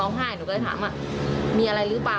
เราก็เลยถามอ่ะมีอะไรรึเปล่า